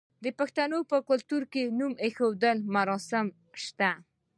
د پښتنو په کلتور کې د نوم ایښودلو مراسم شته.